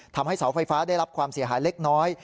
ทำให้เสาไฟฟ้าได้รับความเสียหายเล็กน้อย